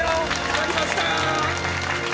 やりました！